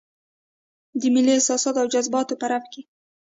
د ملي احساساتو او جذباتو په رپ کې.